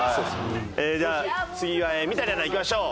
では次三谷アナいきましょう。